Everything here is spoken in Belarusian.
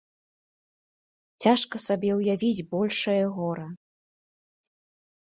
Цяжка сабе ўявіць большае гора.